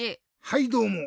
はいどうも。